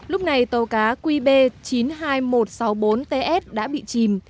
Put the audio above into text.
lúc này tàu cá qb chín mươi hai nghìn một trăm sáu mươi bốn ts đã bị chìm